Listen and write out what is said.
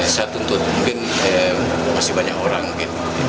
saya tuntut mungkin masih banyak orang mungkin